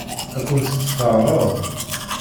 Ad kent-tt-teɛṛeḍ?